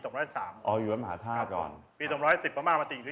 ก็เดิมทีท่านมาปฏิษฐานอยู่วัดมหาธาตุปี๒๐๓